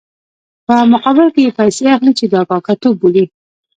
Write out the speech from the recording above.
په مقابل کې یې پیسې اخلي چې دا کاکه توب بولي.